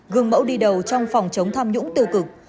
gương mẫu đi đầu trong phòng chống tham nhũng tiêu cực